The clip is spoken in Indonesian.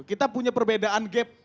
kita punya perbedaan gap